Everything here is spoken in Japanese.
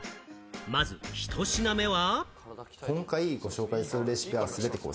まず１品目は。